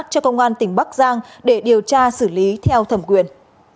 cho công an tỉnh bắc giang để điều tra xử lý theo thẩm quyền